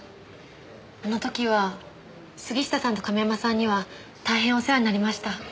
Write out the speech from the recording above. あの時は杉下さんと亀山さんには大変お世話になりました。